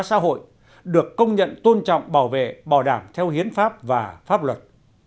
xã hội được công nhận tôn trọng bảo vệ bảo đảm theo hiến pháp và pháp luật